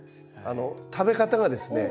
食べ方がですね